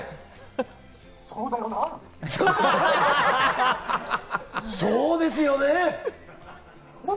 そうだよラ。